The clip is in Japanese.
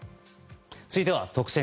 続いては特選！！